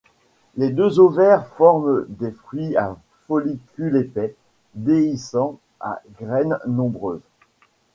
Les deux ovaires forment des fruits à follicules épais, déhiscents à graines nombreuses.